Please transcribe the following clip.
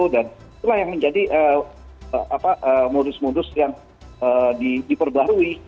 dan itulah yang menjadi modus modus yang diperbarui